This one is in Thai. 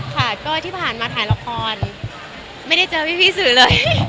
ค่ะก็ที่ผ่านมาถ่ายละครไม่ได้เจอพี่สื่อเลย